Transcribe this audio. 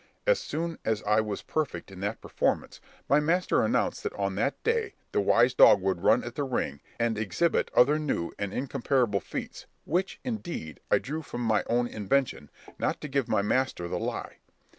As soon as I was perfect in that performance, my master announced that on that day the wise dog would run at the ring, and exhibit other new and incomparable feats, which, indeed, I drew from my own invention, not to give my master the lie.